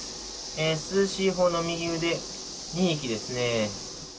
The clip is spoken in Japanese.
涼しいほうの右腕２匹ですね。